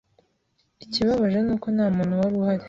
Ikibabaje ni uko nta muntu wari uhari.